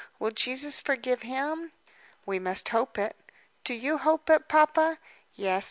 Will Jesus forgive him?" "We must hope it." "Do you hope it, papa?" "Yes.